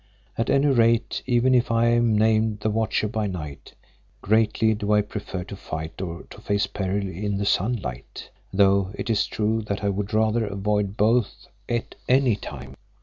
At any rate even if I am named the Watcher by Night, greatly do I prefer to fight or to face peril in the sunlight, though it is true that I would rather avoid both at any time.